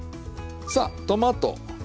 さあトマト。